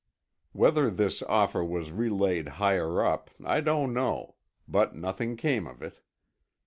Whether this offer was relayed higher up, I don't know. But nothing came of it.